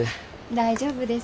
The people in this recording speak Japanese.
大丈夫です。